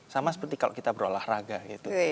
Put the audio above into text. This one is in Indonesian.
sama seperti kalau kita berolahraga gitu